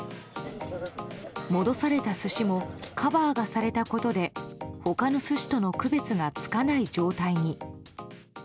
戻された寿司もカバーがされたことで他の寿司との区別がつかない状態に。